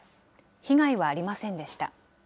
被害はありませんでした。